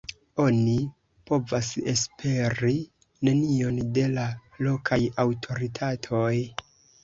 Oni povas esperi nenion de la lokaj aŭtoritatoj.